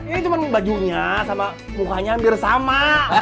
ini cuma bajunya sama mukanya hampir sama